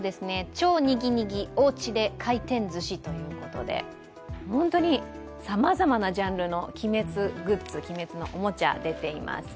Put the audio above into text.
超ニギニギおうちで回転寿しということで本当にさまざまジャンルの鬼滅のおもちゃ、出ています。